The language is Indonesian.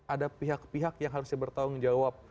ada pihak pihak yang harusnya bertanggung jawab